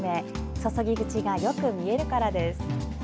注ぎ口がよく見えるからです。